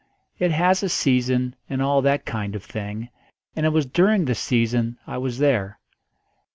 It has a season and all that kind of thing, and it was during the season I was there.